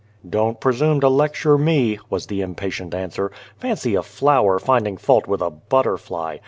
" Don't presume to lecture me !" was the impatient answer. " Fancy a flower finding fault with a butterfly